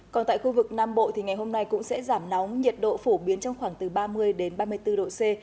còn tại khu vực nam bộ thì ngày hôm nay cũng sẽ giảm nóng nhiệt độ phổ biến trong khoảng từ ba mươi ba mươi bốn độ c